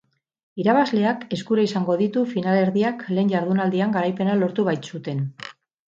Irabazleak eskura izango ditu finalerdiak lehen jardunaldian garaipena lortu bait zuten.